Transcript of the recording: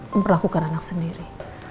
memperlakukan anak sendiri